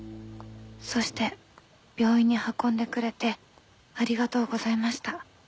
そして病院に運んでくれてありがとうございました。